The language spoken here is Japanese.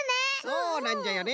そうなんじゃよね。